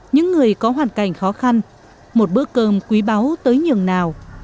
những người có hoàn cảnh khó khăn một bữa cơm quý báu tới nhường nào